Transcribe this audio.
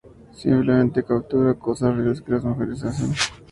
Simplemente captura cosas reales que las mujeres hacen.